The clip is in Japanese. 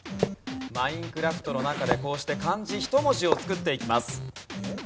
『マインクラフト』の中でこうして漢字１文字を作っていきます。